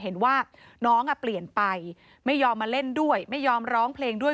เห็นว่าน้องอ่ะเปลี่ยนไปไม่ยอมมาเล่นด้วยไม่ยอมร้องเพลงด้วย